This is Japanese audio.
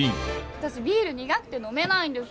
私ビール苦くて飲めないんです。